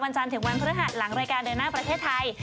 จันทร์ถึงวันพฤหัสหลังรายการเดินหน้าประเทศไทย